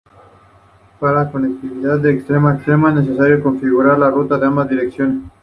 Para conectividad de extremo a extremo, es necesario configurar la ruta en ambas direcciones.